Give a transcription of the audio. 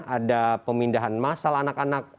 ada pemindahan masal anak anak